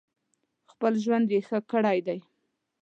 خپل ژوند یې ښه کړی دی.